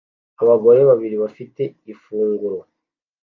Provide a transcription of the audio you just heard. Abagore babiri bafite ifunguro